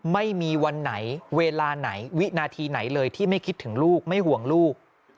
ไม่มีวันไหนเวลาไหนวินาทีไหนเลยที่ไม่คิดถึงลูกไม่ห่วงลูก